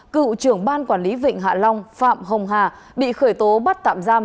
cựu trưởng ban quản lý vịnh hạ long phạm hồng hà bị khởi tố bắt tạm giam